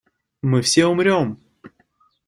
Мы все умрём!